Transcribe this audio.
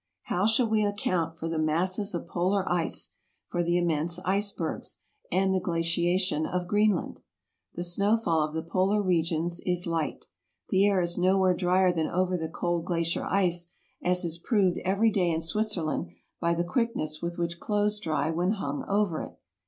How shall we account for the masses of polar ice, for the immense icebergs, and the glaciation of Greenland ? The snowfall of the polar regions is light. The air is nowhere dryer than over the cold glacier ice, as is proved every day in Switzerland by the quickness with which clothes dry when hung over it.